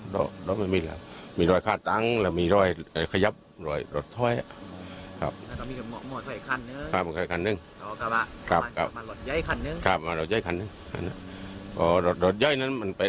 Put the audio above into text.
เราก็พยายามไปคุยกับเพื่อนร่วมงานของผู้ตายนะคะ